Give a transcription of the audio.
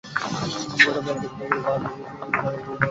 গত প্রায় এক দশক ধরেই পাহাড়ে ধসের ঘটনা এবং প্রাণহানি হচ্ছে।